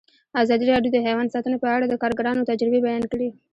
ازادي راډیو د حیوان ساتنه په اړه د کارګرانو تجربې بیان کړي.